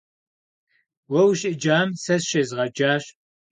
Уэ ущеджам сэ щезгъэджащ.